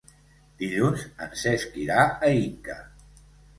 Dilluns en Cesc irà a Inca.